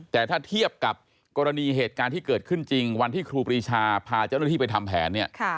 แต่ถ้าเทียบกับกรณีเหตุการณ์ที่เกิดขึ้นจริงวันที่ครูปรีชาพาเจ้าหน้าที่ไปทำแผนเนี่ย